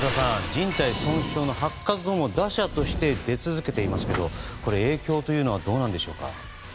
じん帯損傷の発覚後も打者として出続けていますが影響はどうなんでしょうか？